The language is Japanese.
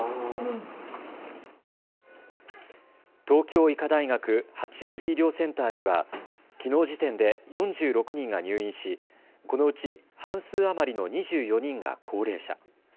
東京医科大学八王子医療センターにはきのう時点で４６人が入院しこのうち半数余りの２４人が高齢者。